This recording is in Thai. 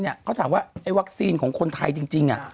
เขาถามว่าไอ้วัคซีนของคนไทยจริง